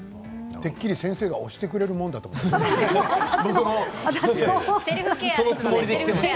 てっきり先生がやってくれるものだと思っていた。